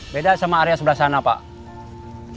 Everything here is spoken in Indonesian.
beda sama area sebelah sana pak